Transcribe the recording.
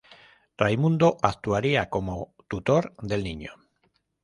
Raimundo actuaría como tutor del niño.